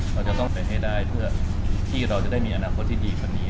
เราจะต้องเป็นให้ได้เพื่อที่เราจะได้มีอนาคตที่ดีกว่านี้